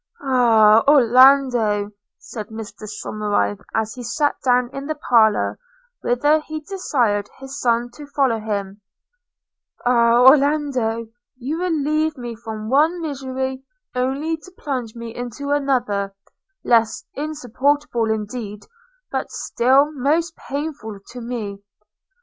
'Ah! Orlando,' said Mr Somerive as he sat down in the parlour, whither he desired his son to follow him – 'ah, Orlando! you relieve me from one misery only to plunge me into another, less insupportable indeed, but still most painful to me.